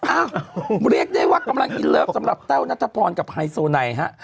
เรียกได้ว่ากำลังอินเลิฟสำหรับแต้วนัทพรกับไฮโซไนฮะ